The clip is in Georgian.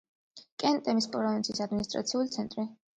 კე-ნტემის პროვინციის ადმინისტრაციული ცენტრი.